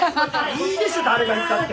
いいでしょ誰が言ったって！